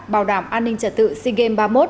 bảo đảm an ninh trả tự sigem ba mươi một